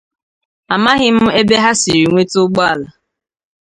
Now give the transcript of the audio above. amaghị m ebe ha siri nweta ụgbọala